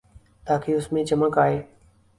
تاکہ اس میں چمک آئے۔